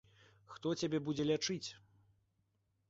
Хто цябе будзе лячыць?